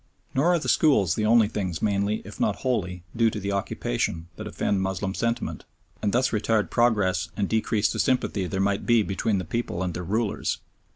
Nor are the schools the only things mainly, if not wholly, due to the occupation that offend Moslem sentiment, and thus retard progress and decrease the sympathy there might be between the people and their rulers.